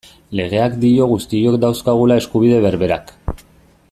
Legeak dio guztiok dauzkagula eskubide berberak.